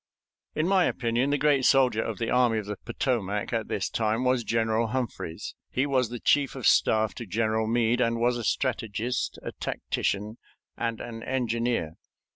In my opinion, the great soldier of the Army of the Potomac at this time was General Humphreys. He was the chief of staff to General Meade, and was a strategist, a tactician, and an engineer.